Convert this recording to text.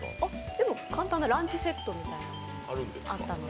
でも簡単なランチセットみたいなのあったんで。